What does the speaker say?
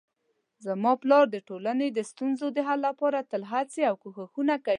زما پلار د ټولنې د ستونزو د حل لپاره تل هڅې او کوښښونه کوي